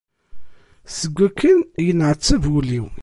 Seg wakken yenneɛtab wul-iw.